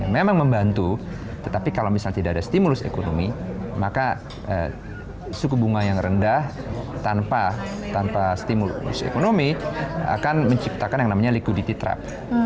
memang membantu tetapi kalau misalnya tidak ada stimulus ekonomi maka suku bunga yang rendah tanpa stimulus ekonomi akan menciptakan yang namanya liquidity trap